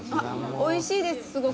おいしいですすごく。